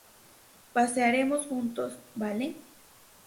pasaremos esto juntos. vale.